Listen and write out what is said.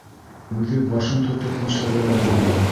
Үҙе башын тотоп нишләргә лә белмәне.